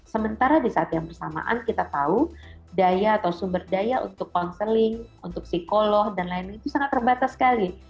sementara di saat yang bersamaan kita tahu daya atau sumber daya untuk konseling untuk psikolog dan lain lain itu sangat terbatas sekali